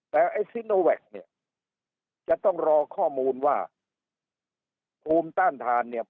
แต่ไอ้เนี้ยจะต้องรอข้อมูลว่าภูมิต้านทานเนี้ย